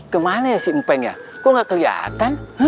kemana ya si mpeng ya kok gak keliatan